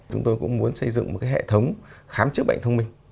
chúng tôi cũng muốn xây dựng một cái hệ thống khám chức bệnh thông minh